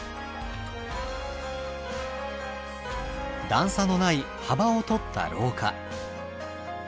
段差のない幅をとった廊下。